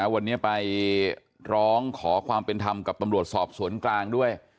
วันนี้ไปร้องขอความเป็นธรรมกับตำรวจสอบสวนกลางด้วย